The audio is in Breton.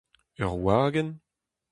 Ur wagenn ?